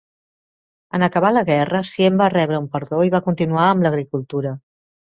En acabar la guerra, Siemp va rebre un perdó i va continuar amb l'agricultura.